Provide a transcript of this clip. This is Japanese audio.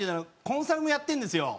コンサルもやってるんですよ。